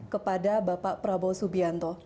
kepada bapak prabowo subianto